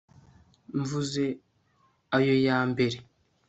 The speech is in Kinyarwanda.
mvuze ayo yambere